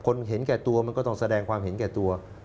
เห็นแก่ตัวมันก็ต้องแสดงความเห็นแก่ตัว